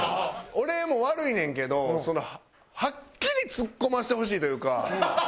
俺も悪いねんけどはっきりツッコませてほしいというか。